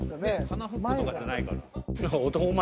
鼻フックとかじゃないから。